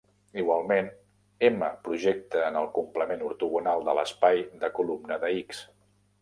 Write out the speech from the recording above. Igualment, "M" projecta en el complement ortogonal de l'espai de columna de "X".